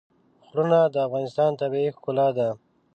غرونه د افغانستان طبیعي ښکلا ده.